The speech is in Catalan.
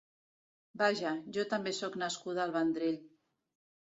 Vaja, jo també sóc nascuda al Vendrell.